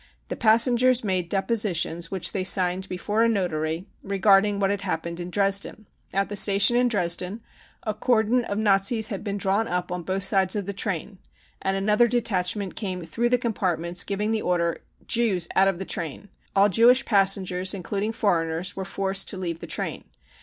The passengers made depositions which they signed before a Notary, regarding what had happened in Dresden. At the station in Dresden a cordon of Nazis had been drawn up on both sides of the train, and another detachment came through the compartments giving the order £ Jews out of the train.' All Jewish passengers, including foreigners, were forced to leave the train.